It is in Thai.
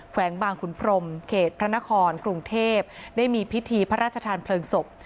แวงบางขุนพรมเขตพระนครกรุงเทพได้มีพิธีพระราชทานเพลิงศพ